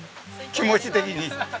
気持ち的に。